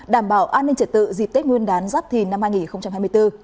đảm bảo an ninh trật tự dịp tết nguyên đán giáp thìn năm hai nghìn hai mươi bốn